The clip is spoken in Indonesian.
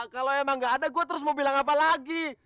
kalau emang nggak ada gue terus mau bilang apa lagi